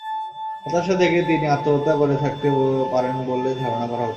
হতাশা থেকে তিনি আত্মহত্যা করে থাকতে পারেন বলে ধারণা করা হচ্ছে।